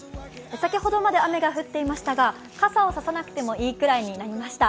先程まで雨が降っていましたが、傘を差さなくてもいいくらいになりました。